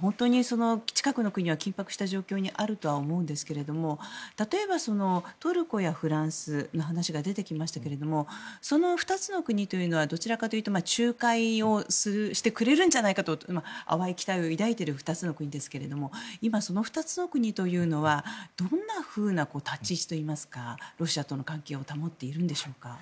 本当に近くの国は緊迫した状況にあるとは思うんですが例えば、トルコやフランスの話が出てきましたがその２つの国というのはどちらかというと仲介をしてくれるんじゃないかと淡い期待を抱いている２つの国ですが今、その２つの国というのはどんなふうな立ち位置といいますかロシアとの関係を保っているんでしょうか？